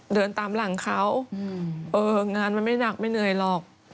เดินตามหลังเขาเอองานมันไม่หนักไม่เหนื่อยหรอก